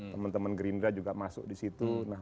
teman teman gerindra juga masuk di situ